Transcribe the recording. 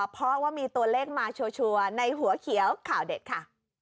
เพราะว่ามีตัวเลขมาชัวร์ในหัวเขียวข่าวเด็ดค่ะ